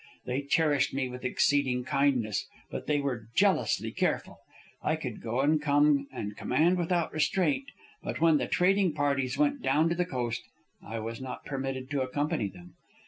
They cherished me with exceeding kindness, but they were jealously careful. I could go and come and command without restraint, but when the trading parties went down to the coast I was not permitted to accompany them.